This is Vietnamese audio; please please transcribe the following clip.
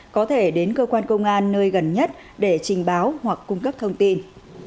có thể đến cơ quan công an nơi gần nhất để trình báo hoặc cung cấp thông tin